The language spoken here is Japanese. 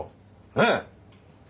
ねえ？